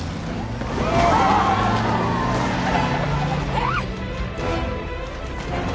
えっ！？